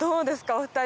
お二人。